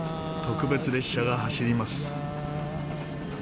特別列車が走ります。